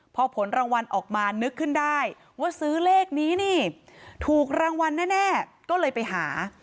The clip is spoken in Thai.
พอผลรางวัลออกมานึกขึ้นได้ว่าซื้อเลขนี้นี่ถูกรางวัลแน่ก็เลยไปหา